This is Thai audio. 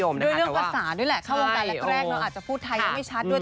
ก็มีภาษาด้วยแหละเข้าวงตาแรกอาจจะพูดไทยยังไม่ชัดด้วย